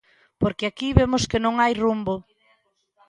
Porque aquí vemos que non hai rumbo.